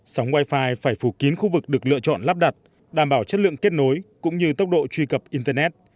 sống wi fi phải phủ kiến khu vực được lựa chọn lắp đặt đảm bảo chất lượng kết nối cũng như tốc độ truy cập internet